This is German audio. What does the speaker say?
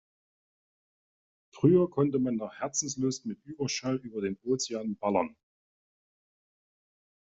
Früher konnte man nach Herzenslust mit Überschall über den Ozean ballern.